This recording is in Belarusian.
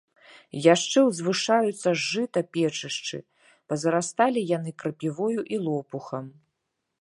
Яшчэ ўзвышаюцца з жыта печышчы, пазарасталі яны крапівою і лопухам.